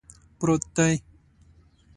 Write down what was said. پروت دی